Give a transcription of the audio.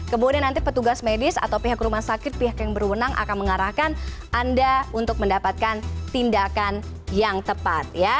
kemudian nanti petugas medis atau pihak rumah sakit pihak yang berwenang akan mengarahkan anda untuk mendapatkan tindakan yang tepat